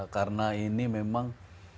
karena ini memang